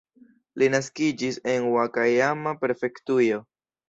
Li naskiĝis en Ŭakajama-prefektujo.